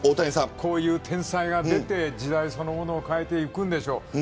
こういう天才が出て時代そのものを変えていくんでしょう。